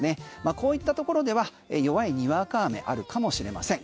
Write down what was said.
こういったところでは弱いにわか雨あるかもしれません。